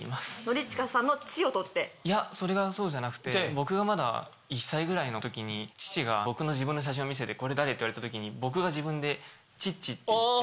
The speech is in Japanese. いやそれがそうじゃなくて僕がまだ１歳ぐらいの時に父が僕の自分の写真を見せて「これ誰？」って言われた時に。